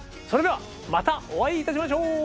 それではまたお会いいたしましょう。